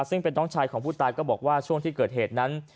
ซึ่งเป็นน้องชายของผู้ตายก็บอกว่าช่วงที่เกิดเหตุนั้น